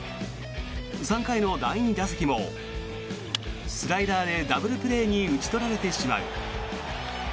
３回の第２打席もスライダーでダブルプレーに打ち取られてしまう。